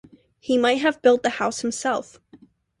He might have built the house himself.